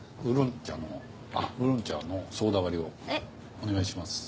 お願いします。